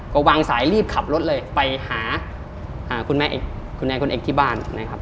ก็วางสายรีบขับรถเลยไปหาคุณแอนคุณเอกที่บ้านนะครับ